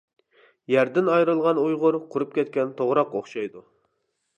يەردىن ئايرىلغان ئۇيغۇر قۇرۇپ كەتكەن توغراققا ئوخشايدۇ.